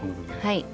はい。